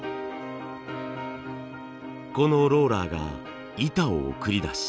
このローラーが板を送り出し。